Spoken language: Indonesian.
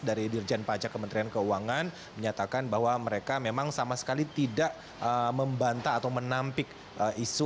dari dirjen pajak kementerian keuangan menyatakan bahwa mereka memang sama sekali tidak membantah atau menampik isu